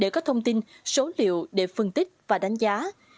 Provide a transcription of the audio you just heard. để có thông tin số liệu để phân tích và đánh giá